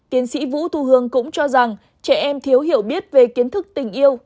tiến sĩ vũ thu hương cũng cho rằng trẻ em thiếu hiểu biết về kiến thức tình yêu